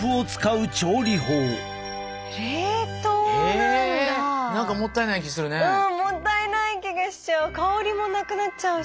うんもったいない気がしちゃう。